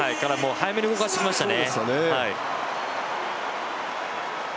早めに動かしてきましたね。